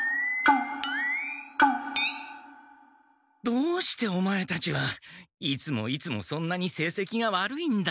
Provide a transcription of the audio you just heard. どうしてオマエたちはいつもいつもそんなにせいせきが悪いんだ。